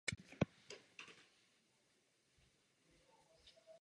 Studoval na Českém vysokém učení v Praze a později na Technické univerzitě ve Vídni.